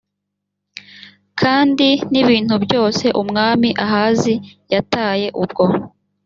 kandi n ibintu byose umwami ahazi yataye ubwo